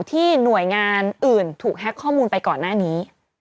ที่หน่วยงานอื่นถูกแฮ็กข้อมูลไปก่อนหน้านี้